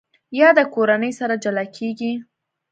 یاده کورنۍ سره جلا کېږي.